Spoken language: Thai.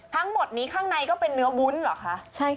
ทั้งหมดนี้ข้างในก็เป็นเนื้อวุ้นเหรอคะ